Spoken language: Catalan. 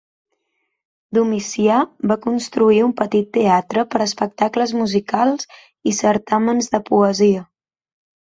Domicià va construir un petit teatre per espectacles musicals i certàmens de poesia.